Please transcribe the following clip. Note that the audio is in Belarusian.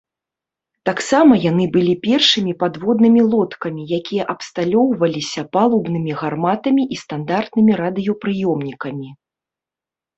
Таксама яны былі першымі падводнымі лодкамі, якія абсталёўваліся палубнымі гарматамі і стандартнымі радыёпрыёмнікамі.